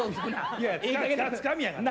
いやつかみやから。